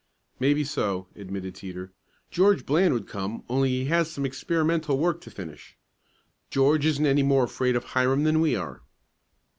"Maybe so," admitted Teeter. "George Bland would come only he had some experimental work to finish. George isn't any more afraid of Hiram than we are."